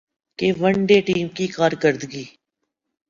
کہ one day team کی کارکردگی